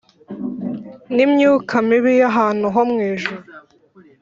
n’imyuka mibi y’ahantu ho mu ijuru